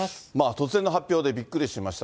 突然の発表で、びっくりしました。